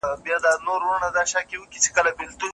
الاهو دي نازولي دي غوږونه؟